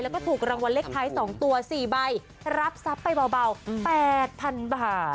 แล้วก็ถูกรางวัลเล็กไทยสองตัวสี่ใบรับทรัพย์ไปเบาแปดพันบาท